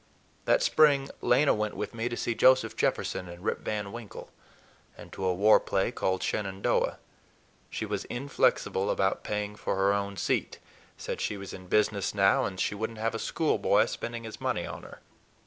That spring Lena went with me to see Joseph Jefferson in "Rip Van Winkle," and to a war play called "Shenandoah." She was inflexible about paying for her own seat; said she was in business now, and she would n't have a schoolboy spending his money on her.